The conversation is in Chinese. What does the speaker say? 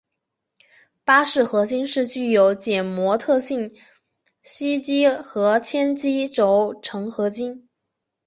巴氏合金是具有减摩特性的锡基和铅基轴承合金。